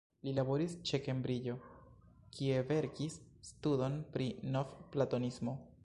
Li laboris ĉe Kembriĝo, kie verkis studon pri Novplatonismo.